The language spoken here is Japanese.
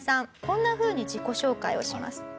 こんなふうに自己紹介をします。